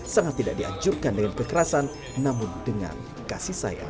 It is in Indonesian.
sangat tidak dianjurkan dengan kekerasan namun dengan kasih sayang